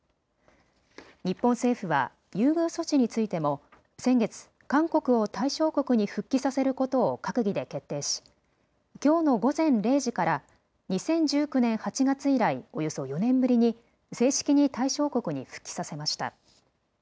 日本政府は優遇措置についても先月、韓国を対象国に復帰させることを閣議で決定しきょうの午前０時から２０１９年８月以来、およそ４年ぶりに正式に対象国に復帰させました。